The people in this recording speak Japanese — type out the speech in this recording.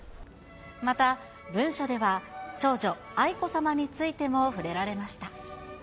また、文書では長女、愛子さまについても触れられました。